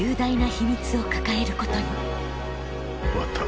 終わった。